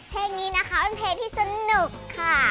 เพลงนี้นะคะเป็นเพลงที่สนุกค่ะ